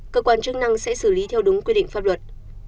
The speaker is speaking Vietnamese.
cơ quan chức năng sẽ xử lý theo đúng quy định pháp luật